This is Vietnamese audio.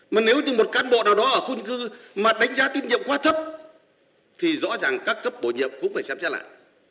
mà nếu như một cán bộ nào đó ở khuôn cư mà đánh giá tín nhiệm quá thấp thì rõ ràng các cấp bổ nhiệm cũng phải xem xét lại